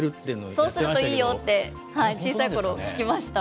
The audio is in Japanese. そうするといいよって、小さいころ聞きました。